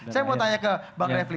saya mau tanya ke bang refli